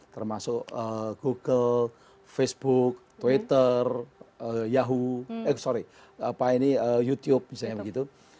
termasuk google facebook twitter youtube misalnya begitu